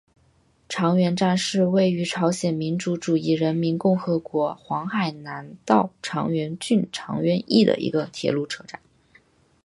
长渊站是位于朝鲜民主主义人民共和国黄海南道长渊郡长渊邑的一个铁路车站。